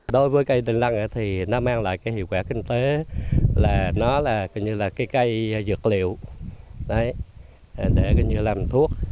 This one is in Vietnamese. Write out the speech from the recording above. đối với cây đinh lăng thì nó mang lại cái hiệu quả kinh tế là nó là cái cây dược liệu để làm thuốc